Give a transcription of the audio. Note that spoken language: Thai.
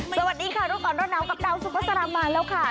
สวัสดีค่ะทุกคนรอดน้ำกับแตดสุขสลามมาแล้วค่ะ